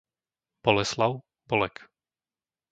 Boleslav, Bolek